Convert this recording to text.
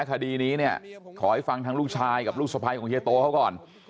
คดีนี้เนี่ยขอให้ฟังทางลูกชายกับลูกสะพ้ายของเฮียโตเขาก่อน